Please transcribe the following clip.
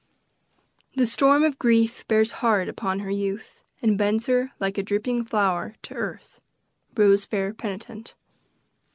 "The storm of grief bears hard upon her youth, And bends her, like a drooping flower, to earth." ROWE'S FAIR PENITENT.